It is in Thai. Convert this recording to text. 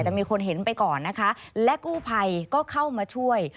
แต่มีคนเห็นไปก่อนนะคะและกู้ภัยก็เข้ามาช่วย